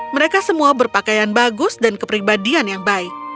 mereka semua berpakaian bagus dan kepribadian yang baik